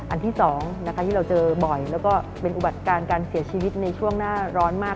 ที่สองนะคะที่เราเจอบ่อยแล้วก็เป็นอุบัติการการเสียชีวิตในช่วงหน้าร้อนมาก